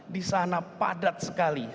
di sana padat sekali